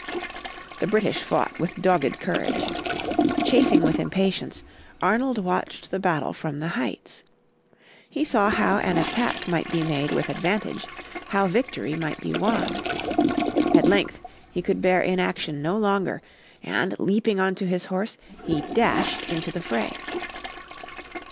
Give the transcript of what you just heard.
The British fought with dogged courage. Chafing with impatience Arnold watched the battle from the heights. He saw how an attack might be made with advantage, how victory might be won. At length he could bear inaction no longer, and, leaping on to his horse, he dashed into the fray.